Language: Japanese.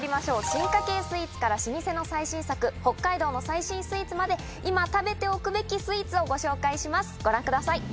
進化系スイーツから老舗の最新作北海道の最新スイーツまで今食べておくべきスイーツをご紹介しますご覧ください。